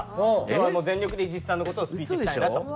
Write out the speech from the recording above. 今日はもう全力で伊地知さんの事をスピーチしたいなと。